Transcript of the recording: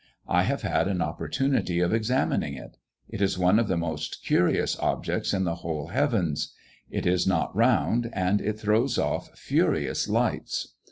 I have had an opportunity of examining it. It is one of the most curious objects in the whole heavens. It is not round, and it throws off furious lights.